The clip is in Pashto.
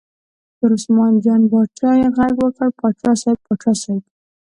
پر عثمان جان باچا یې غږ وکړ: باچا صاحب، باچا صاحب.